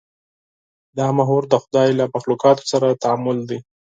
دا محور د خدای له مخلوقاتو سره تعامل دی.